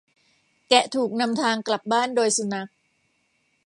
แกะถูกนำทางกลับบ้านโดยสุนัข